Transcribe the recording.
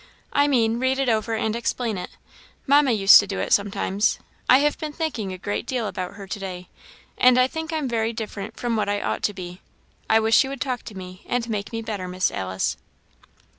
"I mean, read it over and explain it. Mamma used to do it sometimes. I have been thinking a great deal about her to day; and I think I'm very different from what I ought to be. I wish you would talk to me, and make me better, Miss Alice."